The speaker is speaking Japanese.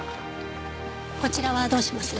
こちらはどうします？